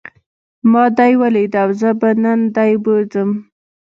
ما دی وليد او زه به نن دی بوځم.